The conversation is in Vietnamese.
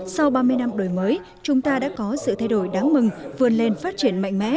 sau ba mươi năm đổi mới chúng ta đã có sự thay đổi đáng mừng vươn lên phát triển mạnh mẽ